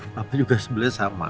papa juga sebenarnya sama